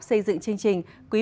xin kính chào và hẹn gặp lại